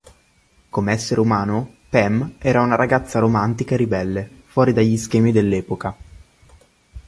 Come essere umano, Pam era una ragazza romantica e ribelle, fuori dagli schemi dell'epoca.